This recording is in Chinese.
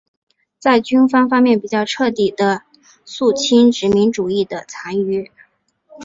在军事方面比较彻底地肃清殖民主义的残余。